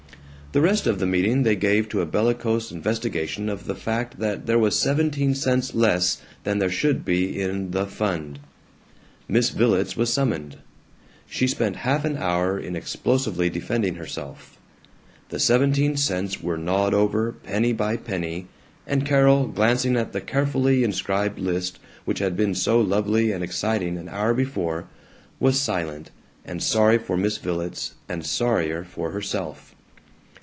The rest of the meeting they gave to a bellicose investigation of the fact that there was seventeen cents less than there should be in the Fund. Miss Villets was summoned; she spent half an hour in explosively defending herself; the seventeen cents were gnawed over, penny by penny; and Carol, glancing at the carefully inscribed list which had been so lovely and exciting an hour before, was silent, and sorry for Miss Villets, and sorrier for herself.